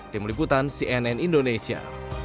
tim liputan cnn indonesia